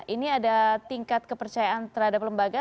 ini ada tingkat kepercayaan terhadap lembaga